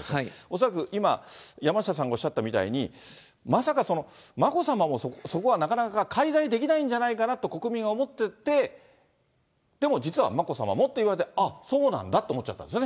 恐らく今、山下さんがおっしゃったみたいに、まさかその、眞子さまもそこがなかなか介在できないんじゃないかなって国民は思ってて、でも実は、眞子さまもっていわれて、ああそうなんだと思っちゃったんですね。